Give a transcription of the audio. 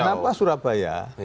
iya kenapa surabaya